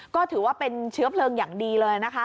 ก็ถือว่าเป็นเชื้อเพลิงอย่างดีเลยนะคะ